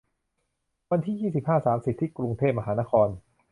วันที่ ยี่สิบห้า สามสิบ ที่กรุงเทพมหานคร